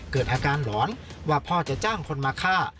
เกิดอาการหลอนว่าพ่อจะจ้างคนมาฆ่า